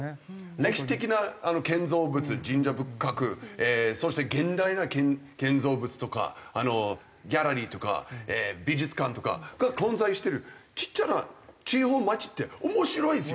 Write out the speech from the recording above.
歴史的な建造物神社仏閣そして現代の建造物とかギャラリーとか美術館とかが混在してるちっちゃな地方の街って面白いですよ。